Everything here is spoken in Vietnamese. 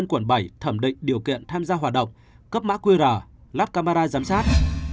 quận bảy thẩm định điều kiện tham gia hoạt động cấp mã qr lắp camera giám sát